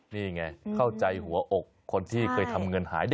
นี่ไงเข้าใจหัวอกคนที่เคยทำเงินหายดิ